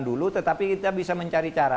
dulu tetapi kita bisa mencari cara